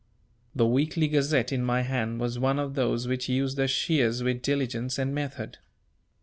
The weekly gazette in my hand was one of those which use the shears with diligence and method.